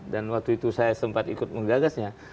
dan waktu itu saya sempat ikut menggagasnya